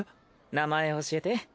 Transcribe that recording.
名前教えて。